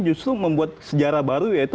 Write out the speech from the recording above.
justru membuat sejarah baru yaitu